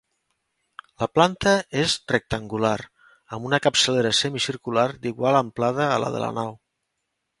La planta és rectangular, amb una capçalera semicircular d'igual amplada a la de la nau.